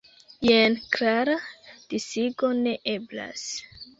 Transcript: Jen klara disigo ne eblas.